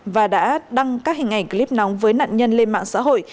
và đã đăng các hình ảnh clip nóng với nạn nhân lên mạng xã hội